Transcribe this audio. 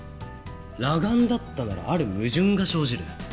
裸眼だったならある矛盾が生じる。